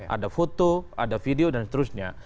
ada foto ada video dan seterusnya